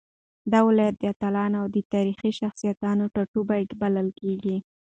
دا ولايت د اتلانو او تاريخي شخصيتونو ټاټوبی بلل کېږي.